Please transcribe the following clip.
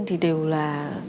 thì đều là